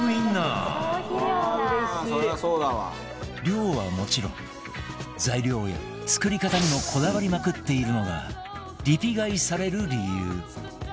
量はもちろん材料や作り方にもこだわりまくっているのがリピ買いされる理由